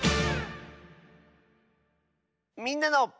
「みんなの」。